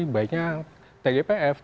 baiknya tgpf tim gabungan pencarian